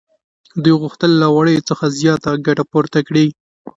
دوی غوښتل له وړیو څخه زیاته ګټه پورته کړي